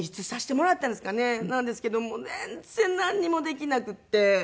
なんですけども全然なんにもできなくって。